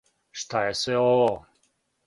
Шта је све ово?